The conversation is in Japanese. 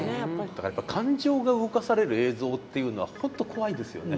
だからやっぱ感情が動かされる映像っていうのは本当怖いですよね。